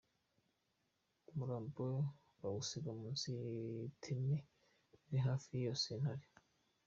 Umurambo we bawusiga munsi y’iteme iri hafi y’iyo santere.